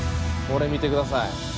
これ見てください。